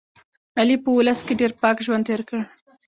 علي په اولس کې ډېر پاک ژوند تېر کړ.